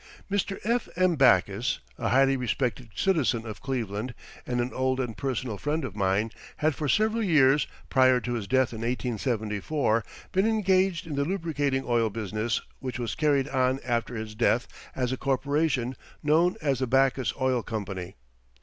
Mr. F.M. Backus, a highly respected citizen of Cleveland and an old and personal friend of mine, had for several years prior to his death in 1874 been engaged in the lubricating oil business which was carried on after his death as a corporation known as the Backus Oil Company.